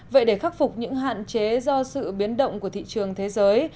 vậy để khắc phục những hạn chế do sự biến động của thị trường thế giới